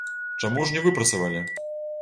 Чаму ж не выпрацавалі?